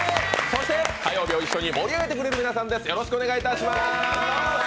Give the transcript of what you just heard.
そして、火曜日を一緒に盛り上げてくれる皆さんです。